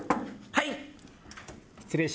はい！